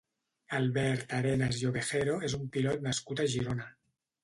Albert Arenas i Ovejero és un pilot nascut a Girona.